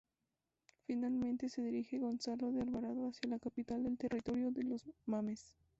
Finalmente se dirige Gonzalo de Alvarado hacia la capital del territorio de los mames.